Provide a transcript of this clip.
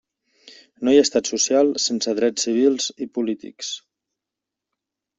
No hi ha estat social sense drets civils i polítics.